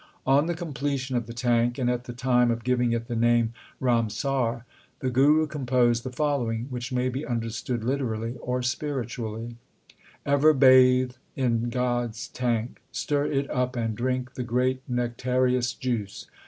On the completion of the tank, and at the time of giving it the name Ramsar, the Guru composed the following, which may be understood literally or spiritually : Ever bathe in God s tank ; 1 Stir it up and drink the great nectareous juice.